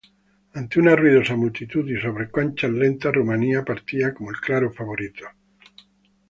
Ante una ruidosa multitud y sobre canchas lentas, Rumanía partía como el claro favorito.